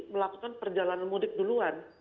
melakukan perjalanan mudik duluan